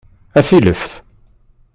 A tileft!